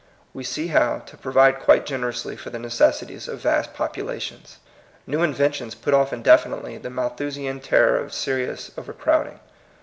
We see how to provide quite generously for the necessities of vast populations. New in ventions put off indefinitely the Malthusian terror of serious overcrowding.